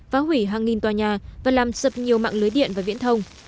phá hủy hàng nghìn tòa nhà và làm sập nhiều mạng lưới điện và viễn thông